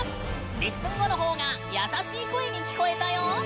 レッスン後のほうが優しい声に聞こえたよ！